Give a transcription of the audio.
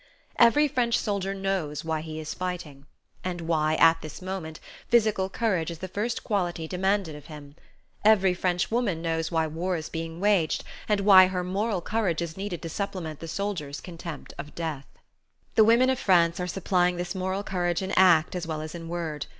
Every French soldier knows why he is fighting, and why, at this moment, physical courage is the first quality demanded of him; every Frenchwoman knows why war is being waged, and why her moral courage is needed to supplement the soldier's contempt of death. The women of France are supplying this moral courage in act as well as in word.